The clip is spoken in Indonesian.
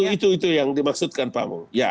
itu itu yang dimaksudkan pak bung